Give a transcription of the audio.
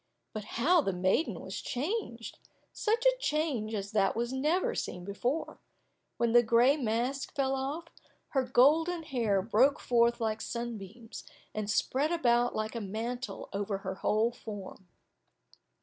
But how the maiden was changed! Such a change as that was never seen before! When the gray mask fell off, her golden hair broke forth like sunbeams, and spread about like a mantle over her whole form.